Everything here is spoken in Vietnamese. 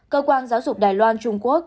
cơ quan giáo dục đài loan trung quốc